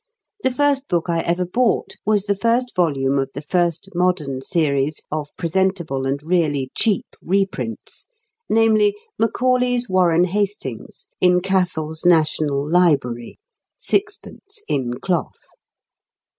The first book I ever bought was the first volume of the first modern series of presentable and really cheap reprints, namely, Macaulay's "Warren Hastings," in "Cassell's National Library" (sixpence, in cloth).